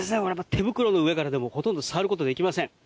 手袋の上からでもほとんど触ることができません。